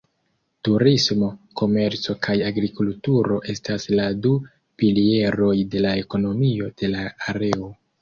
Turismo, komerco kaj agrikulturo estas la du pilieroj de la ekonomio de la areo.